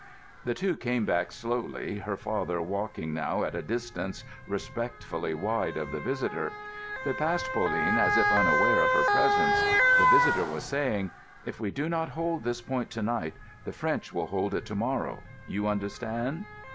The two came back slowly, her father walking now at a distance respectfully wide of the visitor. They passed Pauline as if unaware of her presence. The visitor was saying—— "If we do not hold this point to night, the French will hold it to morrow. You understand?"